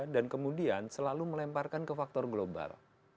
dan kemudian selalu melemparkan ke faktor global